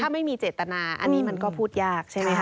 ไม่มีเจตนาอันนี้มันก็พูดยากใช่ไหมคะ